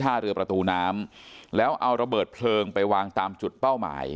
ท่าเรือประตูน้ำแล้วเอาระเบิดเพลิงไปวางตามจุดเป้าหมาย